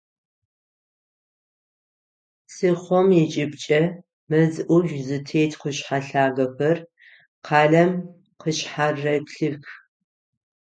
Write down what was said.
Псыхъом ыкӏыбкӏэ мэз ӏужъу зытет къушъхьэ лъагэхэр къалэм къышъхьарэплъых.